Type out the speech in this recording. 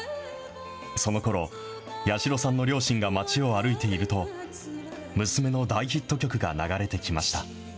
そのころ、八代さんの両親が街を歩いていると、娘の大ヒット曲が流れてきました。